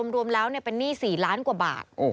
รวมแล้วเป็นหนี้๔ล้านกว่าบาท